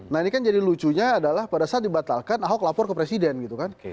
nah ini kan jadi lucunya adalah pada saat dibatalkan ahok lapor ke presiden gitu kan